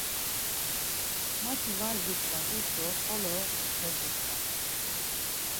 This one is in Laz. Mati var gitzvat̆it do xolo dogitzvat.